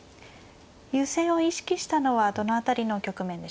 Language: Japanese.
優勢を意識したのはどの辺りの局面でしょうか。